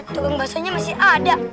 tugang basahnya masih ada